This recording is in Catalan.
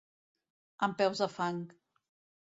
Amb peus de fang.